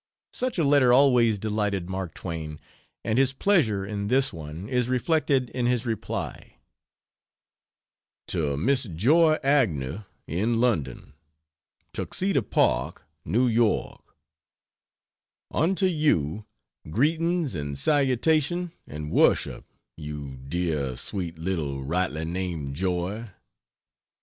Such a letter always delighted Mark Twain, and his pleasure in this one is reflected in his reply. To Miss Joy Agnew, in London: TUXEDO PARK, NEW YORK. Unto you greetings and salutation and worship, you dear, sweet little rightly named Joy!